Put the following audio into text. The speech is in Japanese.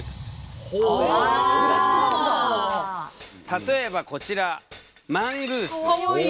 例えばこちらマングース。